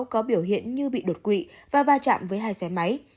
có biểu hiện như bị đột quỵ và va chạm với hai xe máy